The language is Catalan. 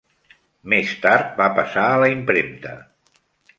Més tard va passar a la impremta.